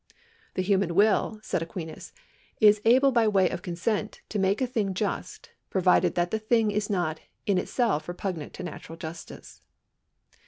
" The human will," says Aquinas, " is able by way of consent to make a thing just ; provided that the thing is not in itself repugnant to natural justice."